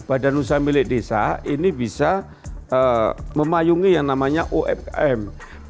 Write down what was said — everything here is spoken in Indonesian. badan usaha milik desa ini bisa memayungi yang namanya umkm